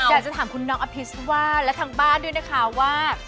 อยากจะถามคุณน้องอภิษว่าและทางบ้านด้วยนะคะว่า